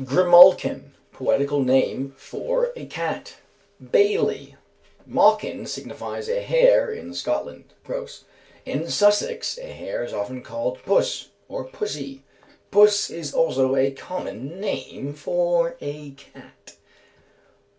Grimalkin. Poetical name for a cat (Bailey). "Mawkin" signifies a hare in Scotland (Grose). In Sussex a hare is often called "puss" or "pussy." "Puss" is also a common name for a cat.